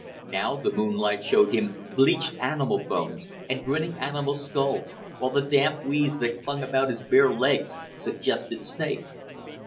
Now the moonlight showed him bleached animal bones and grinning animal skulls, while the damp weeds that clung about his bare legs suggested snakes.